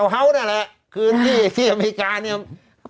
เป็น๑๒๐๐แล้วคือที่อเมริกา